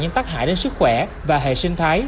những tác hại đến sức khỏe và hệ sinh thái